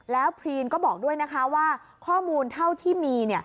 แล้วพรีนก็บอกด้วยนะคะว่าข้อมูลเท่าที่มี